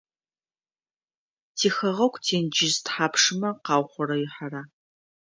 Тихэгъэгу тенджыз тхьапшмэ къаухъурэихьэра?